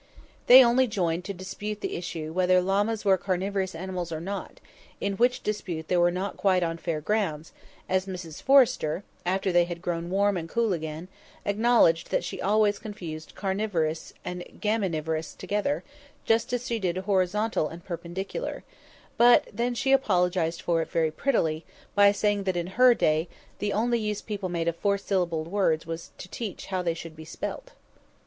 They only joined issue to dispute whether llamas were carnivorous animals or not; in which dispute they were not quite on fair grounds, as Mrs Forrester (after they had grown warm and cool again) acknowledged that she always confused carnivorous and graminivorous together, just as she did horizontal and perpendicular; but then she apologised for it very prettily, by saying that in her day the only use people made of four syllabled words was to teach how they should be spelt.